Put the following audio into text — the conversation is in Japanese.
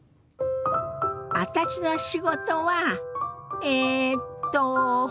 私の仕事はえっと